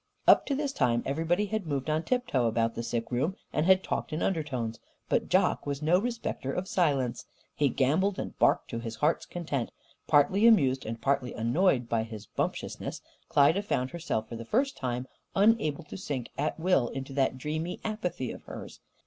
Up to this time everybody had moved on tiptoe about the sick room, and had talked in undertones. But Jock was no respecter of silence. He gambolled and barked to his heart's content. Partly amused and partly annoyed by his bumptiousness, Klyda found herself for the first time unable to sink at will into that dreamy apathy of hers.